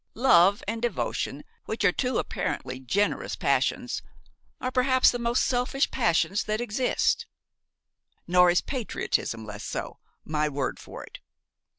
Love and devotion, which are two apparently generous passions, are perhaps the most selfish passions that exist; nor is patriotism less so, my word for it.